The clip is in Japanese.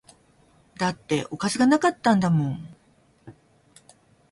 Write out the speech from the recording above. だっておかずが無かったんだもん